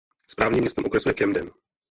Správním městem okresu je Camden.